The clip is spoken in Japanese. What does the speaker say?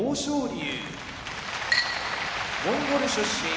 龍モンゴル出身